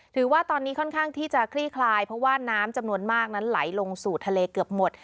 ถือว่าตอนนี้ค่อนข้างที่จะคลี่คลายเพราะว่าน้ำจำนวนมากนั้นไหลลงสู่ทะเลเกือบหมด